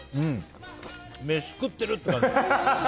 めし食ってる！って感じ。